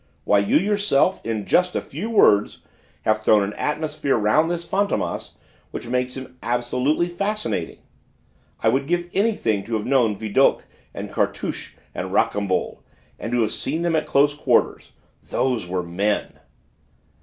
"Why, you yourself, in just a few words, have thrown an atmosphere round this Fantômas which makes him absolutely fascinating! I would give anything to have known Vidocq and Cartouche and Rocambole, and to have seen them at close quarters. Those were men!"